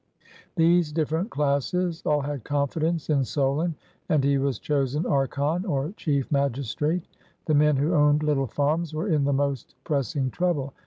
These different classes all had confidence in Solon ; and he was chosen archon, or chief magistrate. The men who owned little farms were in the most press ing trouble.